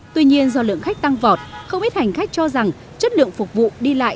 tuy nhiên do lượng khách tăng vọt không ít hành khách cho rằng chất lượng phục vụ đi lại